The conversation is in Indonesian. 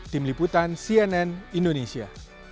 tim liputan cnn indonesia